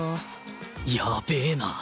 やべえな